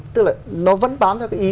tức là nó vẫn bám theo cái ý